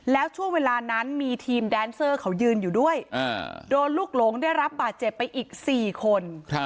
แล้วช่วงเวลานั้นมีทีมแดนเซอร์เขายืนอยู่ด้วยโดนลูกหลงได้รับบาดเจ็บไปอีก๔คน